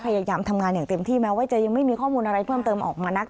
พยายามทำงานอย่างเต็มที่แม้ว่าจะยังไม่มีข้อมูลอะไรเพิ่มเติมออกมานัก